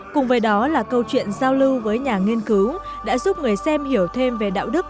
cùng với đó là câu chuyện giao lưu với nhà nghiên cứu đã giúp người xem hiểu thêm về đạo đức